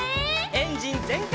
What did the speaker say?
エンジンぜんかい！